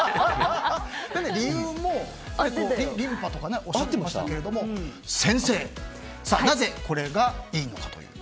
理由もリンパとかおっしゃっていましたが先生、なぜこれがいいのか。